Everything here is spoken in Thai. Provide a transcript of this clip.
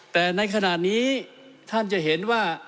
แต่ในขณะนี้ท่านจะเห็นว่า